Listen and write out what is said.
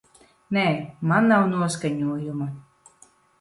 Nē, man nav noskaņojuma.